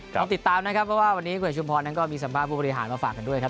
ต้องติดตามนะครับเพราะว่าวันนี้คุณเอกชุมพรนั้นก็มีสัมภาพผู้บริหารมาฝากกันด้วยครับ